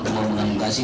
untuk hubungan pks